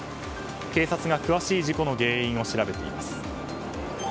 警察が詳しい事故の原因を調べています。